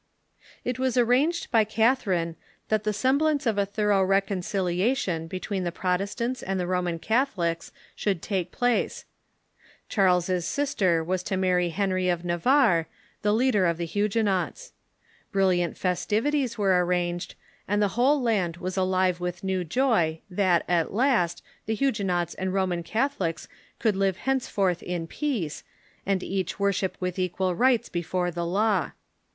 It was arranged by Catharine that the semblance of a thor ough reconciliation betAveen the Protestants and the Roman Catholics should take place. Charles's sister Avas Massacre of ^ marry Henrv of Navarre, the leader of the Hu St. Bartholomew ^■»... guenots. Brilliant festivities were arranged, and the Avhole land was alive Avith new joy that, at last, the Hu IN FRANCE 265 guenots and Roman Catholics could live henceforth in peace, and each worship with equal rights before the law.